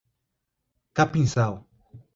Capinzal